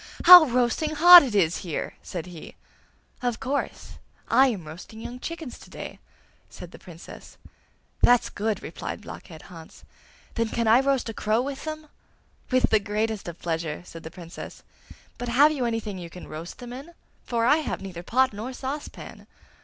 How roasting hot it is here!' said he. 'Of course! I am roasting young chickens to day!' said the Princess. 'That's good!' replied Blockhead Hans; 'then can I roast a crow with them?' 'With the greatest of pleasure!' said the Princess; 'but have you anything you can roast them in? for I have neither pot nor saucepan.